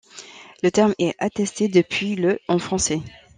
Le terme est attesté depuis le en français.